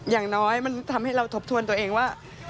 อย่างน้อยมันทำให้เราทบทวนตัวเองว่า